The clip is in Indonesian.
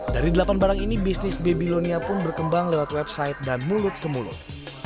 dari delapan barang ini bisnis babylonia pun berkembang lewat website dan mulut ke mulut